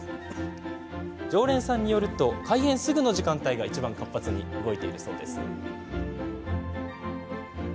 常連さんによると開園すぐの時間帯がいちばん活発に動いているそうですよ。